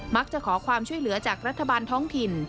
จะขอความช่วยเหลือจากรัฐบาลท้องถิ่น